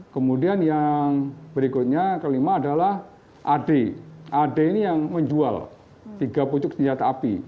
kemudian yang berikutnya kelima adalah ad ad ini yang menjual tiga pucuk senjata api